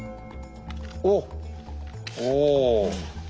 おっおお。